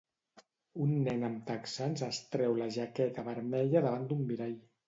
Un nen amb texans es treu una jaqueta vermella davant d'un mirall